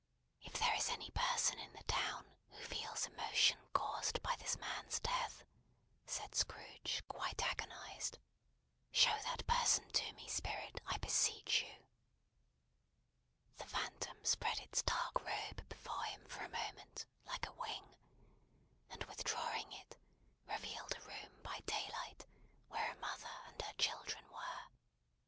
"If there is any person in the town, who feels emotion caused by this man's death," said Scrooge quite agonised, "show that person to me, Spirit, I beseech you!" The Phantom spread its dark robe before him for a moment, like a wing; and withdrawing it, revealed a room by daylight, where a mother and her children were.